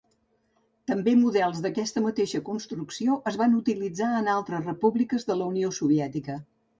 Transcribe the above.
També models d'aquesta mateixa construcció es van utilitzar en altres repúbliques de la Unió Soviètica.